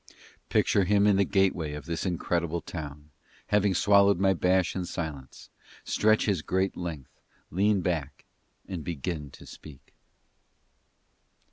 Picture him in the gateway of this incredible town, having swallowed my bash in silence, stretch his great length, lean back, and begin to speak.